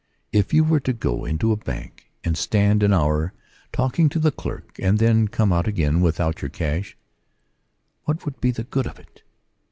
If you were to go into a bank, and stand an hour talking to the clerk, and then come out again without your cash, what would be the good of it?